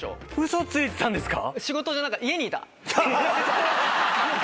嘘ついてたんですか？